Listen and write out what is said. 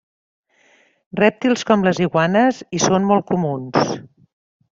Rèptils com les iguanes hi són molt comuns.